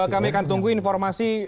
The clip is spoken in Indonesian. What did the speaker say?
kami akan tunggu informasi